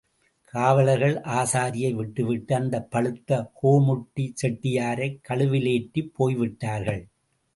காவலர்கள் ஆசாரியை விட்டுவிட்டு, அந்தப் பழுத்த கோமுட்டி செட்டியாரைக் கழுவிலேற்றிப் போய்விட்டார்கள்.